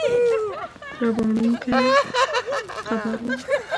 ربړوونکی خبر وو.